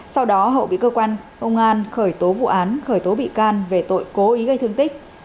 sau đó hậu bị cơ quan công an khởi tố vụ án khởi tố bị can về tội cố ý gây thương tích